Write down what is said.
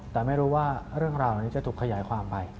แต่ไม่รู้ว่าเรื่องราวเหล่านี้จะถูกขยายความไป